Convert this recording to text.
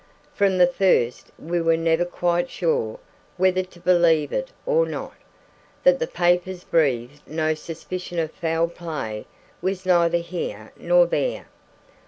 From the first we were never quite sure whether to believe it or not. That the papers breathed no suspicion of foul play was neither here nor there.